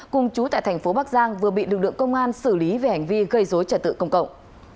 cùng chú tại thành phố bắc giang vừa bị lực lượng công an xử lý về hành vi gây dối trật tự công cộng